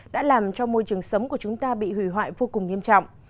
đã làm cho môi trường sống của chúng ta bị hủy hoại vô cùng nghiêm trọng